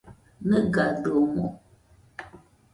¿Nɨgadɨomoɨ?